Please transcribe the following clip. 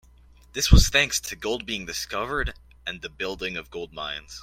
This was thanks to gold being discovered and the building of gold mines.